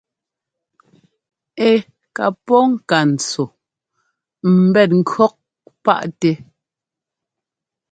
Ɛ́ ká pɔ́ ŋka ntsɔ ḿbɛt ŋkʉ̈ɔk paʼtɛ.